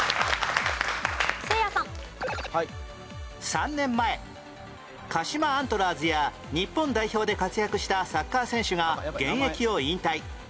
３年前鹿島アントラーズや日本代表で活躍したサッカー選手が現役を引退